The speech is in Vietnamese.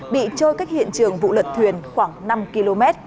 bị trôi cách hiện trường vụ lật thuyền khoảng năm km